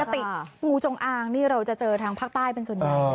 ติดงูจงอางนี่เราจะเจอทางภาคใต้เป็นส่วนใหญ่เลย